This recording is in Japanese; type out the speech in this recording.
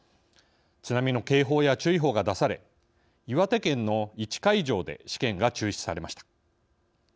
津波の警報や注意報が出され岩手県の１会場で試験が中止されました。